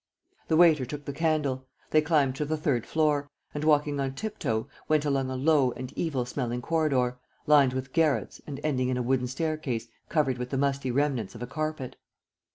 The waiter took the candle. They climbed to the third floor, and, walking on tip toe, went along a low and evil smelling corridor, lined with garrets and ending in a wooden staircase covered with the musty remnants of a carpet.